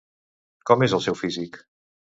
Com és el seu físic?